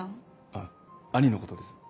あっ兄のことです。